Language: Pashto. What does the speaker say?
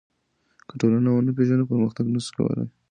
که ټولنه ونه پېژنو پرمختګ نسو کولای.